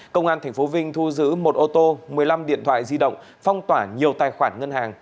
công an tp vinh thu giữ một ô tô một mươi năm điện thoại di động phong tỏa nhiều tài khoản ngân hàng